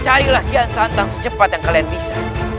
carilah kian kandang secepat yang kalian bisa